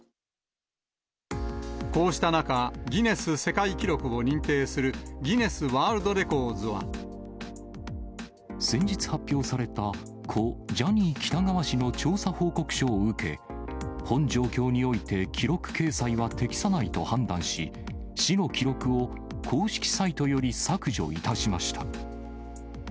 こうした中、ギネス世界記録を認定するギネスワールドレコーズは。先日発表された故・ジャニー喜多川氏の調査報告書を受け、本状況において、記録掲載は適さないと判断し、氏の記録を公式サイトより削除いたしました。